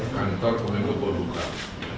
kantor komunikasi keburukan